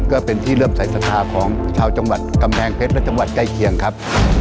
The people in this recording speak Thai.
ก็เป็นที่เริ่มสายศรัทธาของชาวจังหวัดกำแพงเพชรและจังหวัดใกล้เคียงครับ